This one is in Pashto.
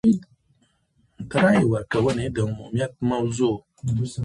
د رایې ورکونې د عمومیت موضوع.